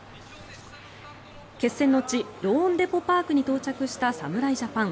決戦の地ローンデポ・パークに到着した侍ジャパン。